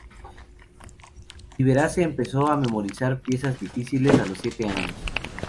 Liberace empezó a memorizar piezas difíciles a los siete años.